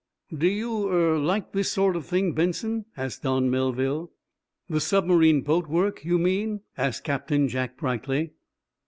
"Do you er like this sort of thing, Benson?" asked Don Melville. "The submarine boat work, you mean?" asked Captain Jack, brightly.